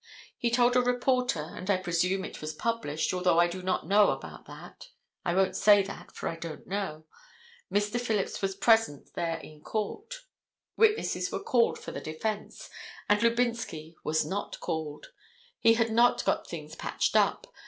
He told a reporter, and I presume it was published, although I do not know about that. I won't say that, for I don't know. Mr. Phillips was present there in court; witnesses were called for the defense, and Lubinsky was not called. He had not got things patched up.